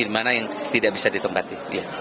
mana yang tidak bisa ditempati